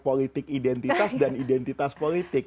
politik identitas dan identitas politik